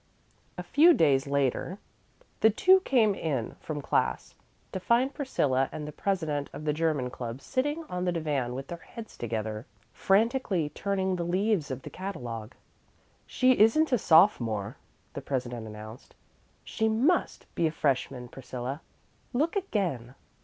A few days later the two came in from class, to find Priscilla and the president of the German Club sitting on the divan with their heads together, frantically turning the leaves of the catalogue. "She isn't a sophomore," the president announced. "She must be a freshman, Priscilla. Look again."